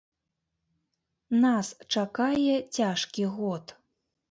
Нас чакае цяжкі год.